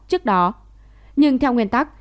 trước đó nhưng theo nguyên tắc